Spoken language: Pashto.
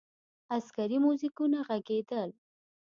عسکري موزیکونه ږغېدل.